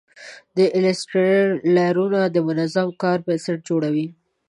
د ایلیسټریټر لایرونه د منظم کار بنسټ جوړوي.